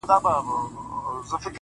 چي بیا به څه ډول حالت وي!! د ملنگ!!